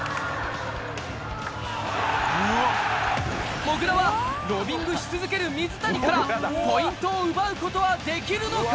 もぐらはロビングし続ける水谷から、ポイントを奪うことはできるのか？